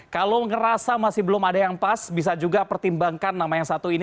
kalau ngerasa masih belum ada yang pas bisa juga pertimbangkan nama yang satu ini